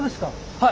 はい。